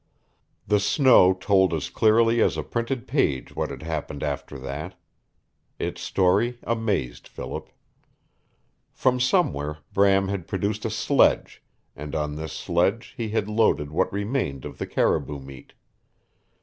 The snow told as clearly as a printed page what had happened after that. Its story amazed Philip. From somewhere Bram had produced a sledge, and on this sledge he had loaded what remained of the caribou meat.